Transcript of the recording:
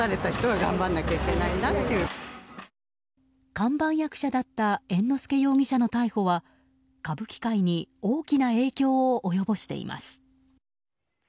看板役者だった猿之助容疑者の逮捕は歌舞伎界に大きな影響を及ぼしています。